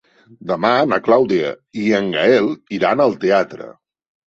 Demà na Clàudia i en Gaël iran al teatre.